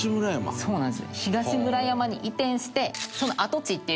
そうなんです。